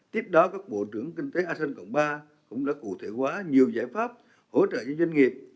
tiếp đó các bộ trưởng kinh tế asean cộng ba cũng đã cụ thể hóa nhiều giải pháp hỗ trợ cho doanh nghiệp